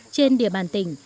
trên địa bàn tỉnh